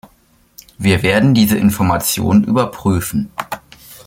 Wir werden diese Informationen überprüfen.